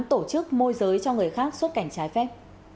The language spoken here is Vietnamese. tổ chức môi giới cho người khác xuất cảnh trái phép